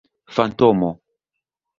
fantomo